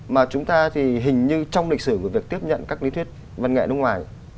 mà chúng ta thì hình như trong lịch sử của việc tiếp nhận các lý thuyết văn nghệ nước ngoài